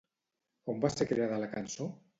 On va ser creada la cançó?